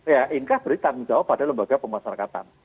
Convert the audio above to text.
ya inka beri tanggung jawab pada lembaga pemasarakatan